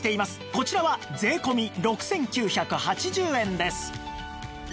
こちらは税込６９８０円です